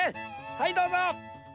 はいどうぞ。